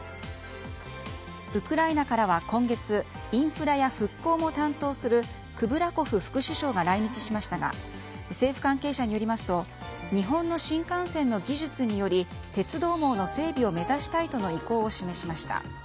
ウクライナからは今月インフラや復興も担当するクブラコフ副首相が来日しましたが政府関係者によりますと日本の新幹線の技術により鉄道網の整備を目指したいとの意向を示しました。